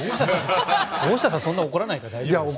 大下さんそんな怒らないから大丈夫です。